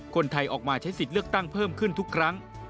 คนไทยออกมาใช้สิทธิ์เลือกตั้งเพิ่มขึ้นทุกครั้ง